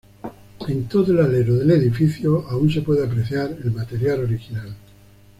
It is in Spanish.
En todo el alero del edificio aún se puede apreciar el material original.